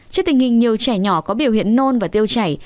trước tình hình nhiều trẻ nhỏ có biểu hiện nôn và tiêu chảy